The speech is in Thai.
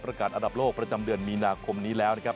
การอันดับโลกประจำเดือนมีนาคมนี้แล้วนะครับ